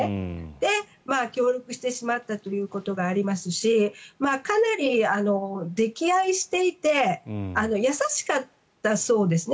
で、協力してしまったということがありますしかなり溺愛していて優しかったそうですね。